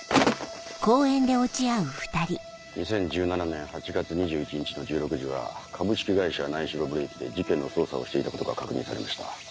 ２０１７年８月２１日の１６時は株式会社苗代ブレーキで事件の捜査をしていたことが確認されました。